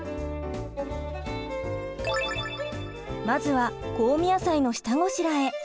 まずは香味野菜の下ごしらえ。